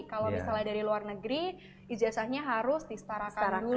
kalau misalnya dari luar negeri ijazahnya harus disetarakan dulu